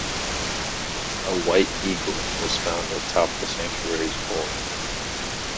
A white eagle was found atop the sanctuary's vault.